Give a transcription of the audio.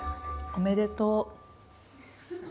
おめでとう！